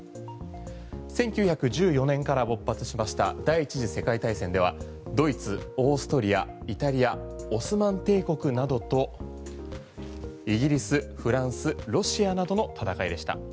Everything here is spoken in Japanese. １９１４年から勃発しました第１次世界大戦ではドイツオーストリア、イタリアオスマン帝国などとイギリス、フランスロシアなどの戦いでした。